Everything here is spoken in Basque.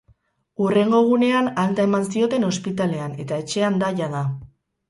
Hurrengo egunean alta eman zioten ospitalean eta etxean da jada.